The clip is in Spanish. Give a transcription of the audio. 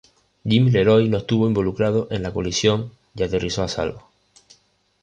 Jim LeRoy no estuvo involucrado en la colisión y aterrizó a salvo.